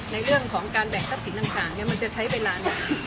ในเรื่องของการแบ่งทรัพย์สินต่างต่างเนี้ยมันจะใช้เวลาหนึ่ง